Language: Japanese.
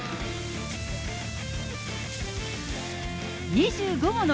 ２５もの